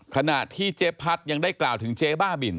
ขณะที่เจ๊พัดยังได้กล่าวถึงเจ๊บ้าบิน